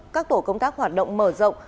các tổ công tác hoạt động mở rộng